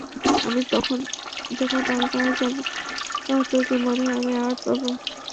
আমি যখন তারকা হয়ে যাব, তোর কি মনে হয় আমি এডওয়ার্ড পাব?